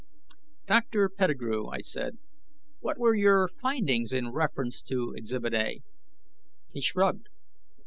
"Dr. Pettigrew," I said, "what were your findings in reference to Exhibit A?" He shrugged.